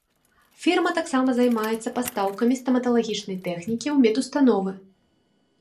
Фірма таксама займаецца пастаўкамі стаматалагічнай тэхнікі ў медустановы.